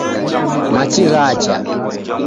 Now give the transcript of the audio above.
Machi ghacha.